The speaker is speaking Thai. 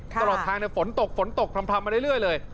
ตลอดทางฝนตกฝนตกพร่ำมาเรื่อยเลย